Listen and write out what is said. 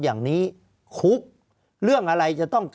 ภารกิจสรรค์ภารกิจสรรค์